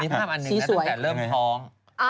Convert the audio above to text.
ภาพอันหนึ่งนะตั้งแต่เริ่มท้อง